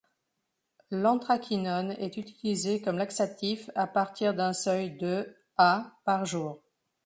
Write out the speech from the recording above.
L'anthraquinone est utilisé comme laxatif à partir d'un seuil de à par jour.